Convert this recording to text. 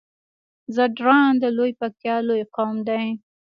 ځدراڼ د لويې پکتيا لوی قوم دی